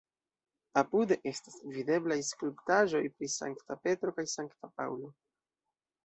Apude estas videblaj skulptaĵoj pri Sankta Petro kaj Sankta Paŭlo.